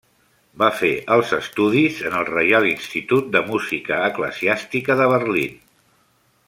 Va fer els estudis en el Reial Institut de Música eclesiàstica, de Berlín.